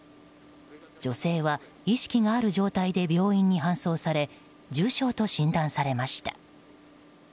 女性は意識がある状態で病院に搬送され重傷と診断されました。